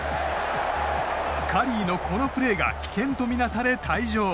カリーのこのプレーが危険とみなされ退場。